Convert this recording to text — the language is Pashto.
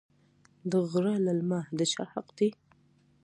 د غره للمه د چا حق دی؟